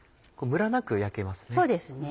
ムラなく焼けますね。